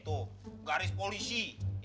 tuh garis polisi